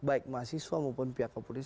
baik mahasiswa maupun pihak kepolisian